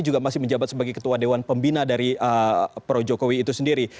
juga masih menjabat sebagai ketua dewan pembina dari projokowi itu sendiri